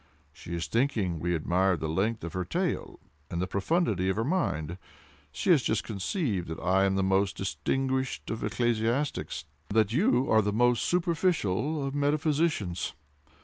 She is thinking we admire the length of her tail and the profundity of her mind. She has just concluded that I am the most distinguished of ecclesiastics, and that you are the most superficial of metaphysicians.